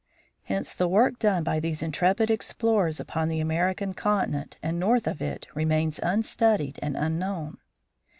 Hence the work done by these intrepid explorers upon the American continent and north of it remains unstudied and unknown.